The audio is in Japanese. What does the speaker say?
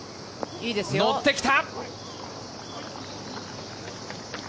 乗ってきた！